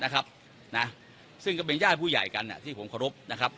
นะครับนะซึ่งก็เป็นญาติผู้ใหญ่กันที่ผมเคารพนะครับ